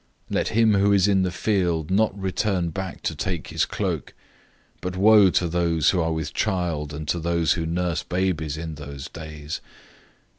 013:016 Let him who is in the field not return back to take his cloak. 013:017 But woe to those who are with child and to those who nurse babies in those days!